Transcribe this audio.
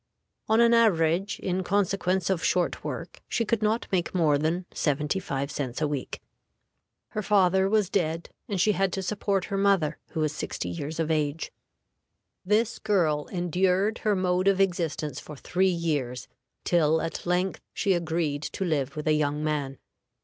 On an average, in consequence of short work, she could not make more than seventy five cents a week. Her father was dead, and she had to support her mother, who was sixty years of age. This girl endured her mode of existence for three years, till at length she agreed to live with a young man.